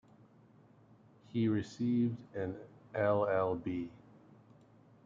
He received an ll.b.